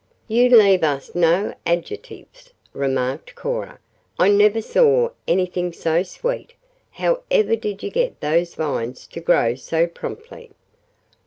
"You leave us no adjectives," remarked Cora. "I never saw anything so sweet. How ever did you get those vines to grow so promptly?"